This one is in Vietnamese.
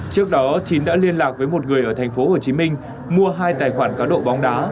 trước đó chín đã liên lạc với một người ở thành phố hồ chí minh mua hai tài khoản cá độ bóng đá